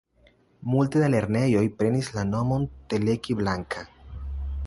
Multe da lernejoj prenis la nomon Teleki Blanka.